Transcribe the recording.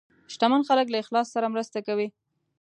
شتمن خلک له اخلاص سره مرسته کوي.